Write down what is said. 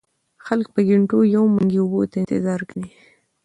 خلک په ګېنټو يو منګي اوبو ته انتظار کوي ـ